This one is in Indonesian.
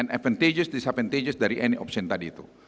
and advantageous disadvantageous dari any option tadi itu